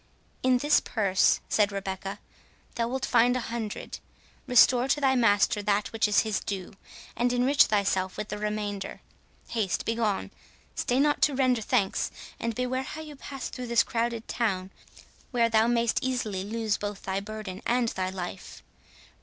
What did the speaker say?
"In this purse," said Rebecca, "thou wilt find a hundred. Restore to thy master that which is his due, and enrich thyself with the remainder. Haste—begone—stay not to render thanks! and beware how you pass through this crowded town, where thou mayst easily lose both thy burden and thy life.